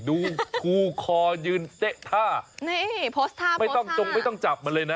ดูคูคอยืนเต๊ะท่านี่โพสต์ท่าไม่ต้องจงไม่ต้องจับมันเลยนะ